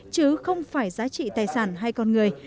chứ không phải giá trị tài sản hay con người